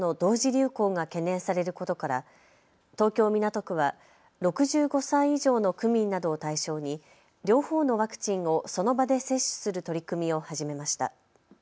流行が懸念されることから東京港区は６５歳以上の区民などを対象に両方のワクチンをその場で接種する取り組みを始めました。